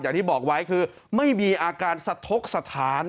อย่างที่บอกไว้คือไม่มีอาการสะทกสถาน